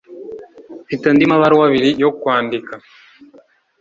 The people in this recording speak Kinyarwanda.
Mfite andi mabaruwa abiri yo kwandika